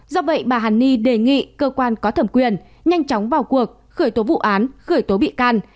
do vậy bà hàn ni đề nghị cơ quan có thẩm quyền nhanh chóng vào cuộc khởi tố vụ án khởi tố bị can